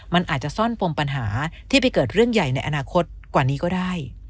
มันอาจจะซ่อนปมปัญหาที่ไปเกิดเรื่องใหญ่ในอนาคตกว่านี้ก็ได้